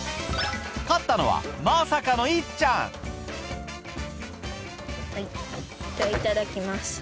勝ったのはまさかのいっちゃんじゃあいただきます。